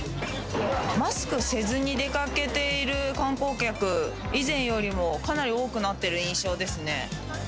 マスクせずに出かけている観光客、以前よりもかなり多くなっている印象ですね。